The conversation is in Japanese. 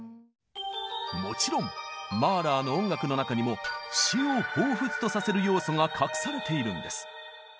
もちろんマーラーの音楽の中にも「死」を彷彿とさせる要素が隠されているんです！